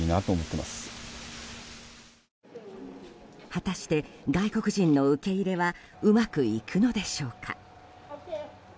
果たして外国人の受け入れはうまくいくのでしょうか。